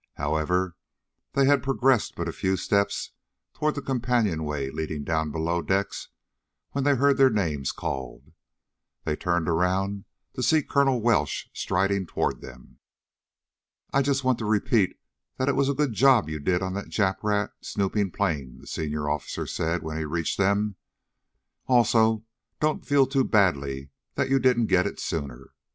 However, they had progressed but a few steps toward the companionway leading down below decks when they heard their names called. They turned around to see Colonel Welsh striding toward them. "I just want to repeat that it was a good job you did on that Jap rat snooping plane," the senior officer said when he reached them. "Also, don't feel too badly that you didn't get to it sooner.